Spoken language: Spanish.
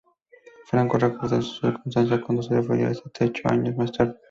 Franco recordó esa circunstancia cuando se refirió a este hecho años más tarde.